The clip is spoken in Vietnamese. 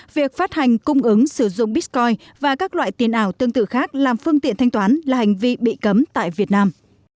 việc phát hành cung ứng sử dụng bitcoin và các loại tiền ảo tương tự khác làm phương tiện thanh toán là hành vi bị cấm tại việt nam